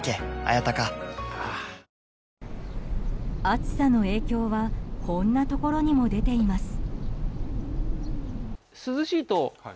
暑さの影響はこんなところにも出ています。